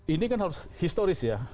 ini kan harus historis ya